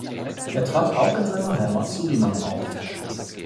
Er trat auch in seiner Heimat Surinam auf.